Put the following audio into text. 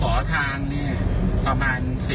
ก็ยังไม่หลบข้างผ่านได้